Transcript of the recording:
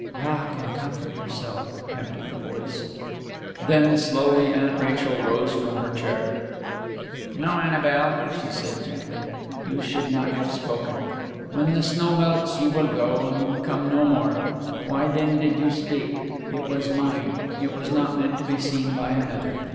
"Rock, and comfort yourself " tempted the voice. Then slowly Aunt Rachel rose from her chair. "No, Annabel," she said gently. "You should not have spoken. When the snow melts you will go, and come no more; why then did you speak? It was mine. It was not meant to be seen by another.